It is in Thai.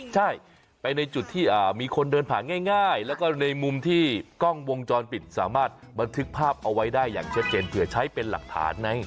ใช่ไปในจุดที่มีคนเดินผ่านง่ายแล้วก็ในมุมที่กล้องวงจรปิดสามารถบันทึกภาพเอาไว้ได้อย่างชัดเจนเผื่อใช้เป็นหลักฐานใน